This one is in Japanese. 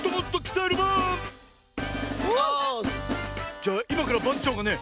じゃあいまからばんちょうがね